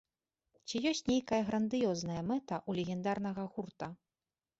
Ці ёсць нейкая грандыёзная мэта ў легендарнага гурта?